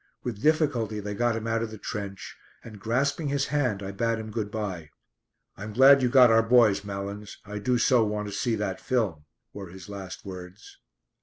With difficulty they got him out of the trench, and grasping his hand I bade him good bye. "I'm glad you got our boys, Malins. I do so want to see that film," were his last words.